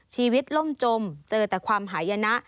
ชีวิตล่มจมเจอแต่ความหายนะ